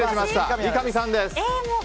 三上さんです。